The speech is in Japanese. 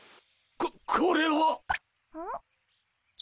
ここれは。